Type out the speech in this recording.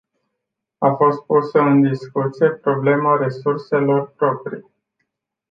A fost pusă în discuție problema resurselor proprii.